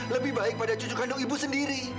lebih baik pada cucu kandung ibu sendiri